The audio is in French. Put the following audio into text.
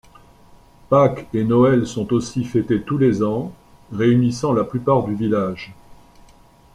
Pâques et Noël sont aussi fêtés tous les ans, réunissant la plupart du village.